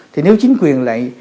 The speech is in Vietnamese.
thì nếu chính quyền lại